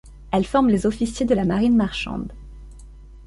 Elle forme les officiers de la marine marchande.